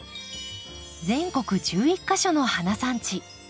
全国１１か所の花産地。